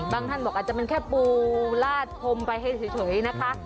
ท่านบอกอาจจะเป็นแค่ปูลาดพรมไปให้เฉยนะคะ